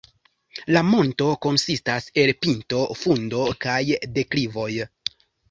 La monto konsistas el pinto, fundo kaj deklivoj.